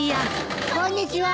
・・こんにちは。